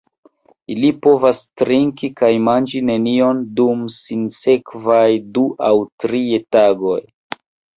Ili povas trinki kaj manĝi nenion dum sinsekvaj du aŭ tri tagoj.